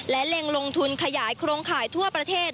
และเล็งลงทุนขยายโครงข่ายทั่วประเทศ